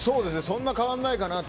そんなに変わらないかなと。